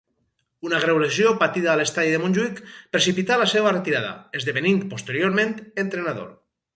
Una greu lesió patida a l'estadi de Montjuïc precipità la seva retirada, esdevenint posteriorment entrenador.